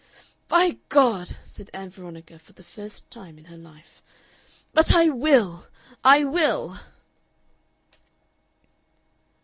"By God!" said Ann Veronica for the first time in her life. "But I will! I will!"